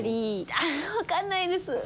あぁ分かんないです。